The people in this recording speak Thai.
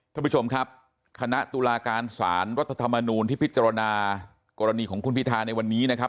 ท่านผู้ชมครับคณะตุลาการสารรัฐธรรมนูลที่พิจารณากรณีของคุณพิธาในวันนี้นะครับ